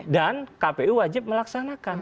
dan kpu wajib melaksanakan